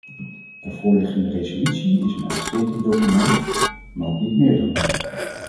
De voorliggende resolutie is een uitstekend document, maar ook niet meer dan dat.